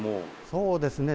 そうですね。